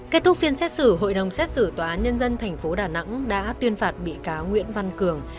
kết thúc phiên xét xử hội đồng xét xử tòa án nhân dân tp đà nẵng đã tuyên phạt bị cáo nguyễn văn cường